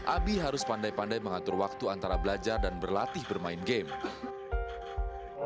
abi harus pandai pandai mengatur waktu antara belajar dan berlatih bermain game